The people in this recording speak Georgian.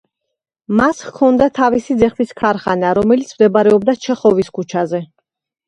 მას ჰქონდა თავისი ძეხვის ქარხანა, რომელიც მდებარეობდა ჩეხოვის ქუჩაზე.